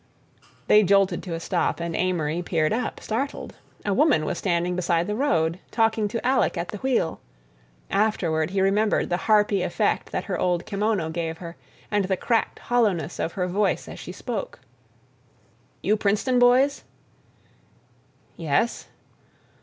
They jolted to a stop, and Amory peered up, startled. A woman was standing beside the road, talking to Alec at the wheel. Afterward he remembered the harpy effect that her old kimono gave her, and the cracked hollowness of her voice as she spoke: "You Princeton boys?" "Yes."